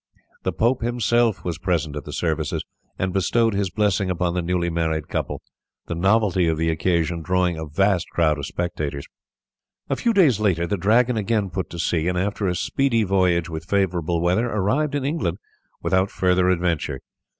The pope himself was present at the services and bestowed his blessing upon the newly married couple, the novelty of the occasion drawing a vast crowd of spectators. A few days later the Dragon again put to sea, and after a speedy voyage with favourable weather arrived in England without further adventure.